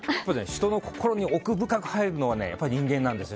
人の心に奥深く入るのはやっぱり人間なんですよ。